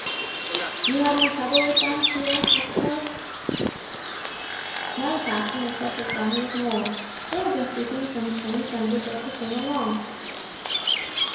"You had no trouble with them, Pierre, I suppose?" "No, captain, they slept as soundly as moles. They have been speaking some strange language as we came along."